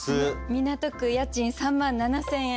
港区家賃３万７，０００円